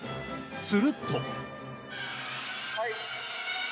すると。